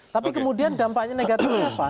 tapi kemudian dampaknya negatifnya apa